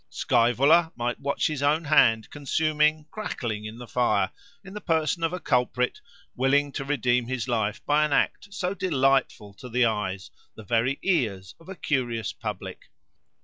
Scaevola might watch his own hand, consuming, crackling, in the fire, in the person of a culprit, willing to redeem his life by an act so delightful to the eyes, the very ears, of a curious public.